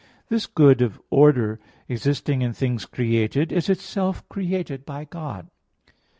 4). This good of order existing in things created, is itself created by God.